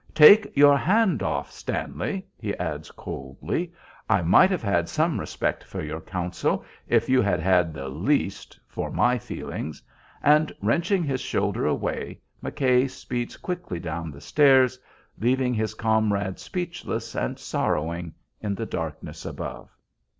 "Take your hand off, Stanley," he adds, coldly. "I might have had some respect for your counsel if you had had the least for my feelings." And wrenching his shoulder away, McKay speeds quickly down the stairs, leaving his comrade speechless and sorrowing in the darkness above.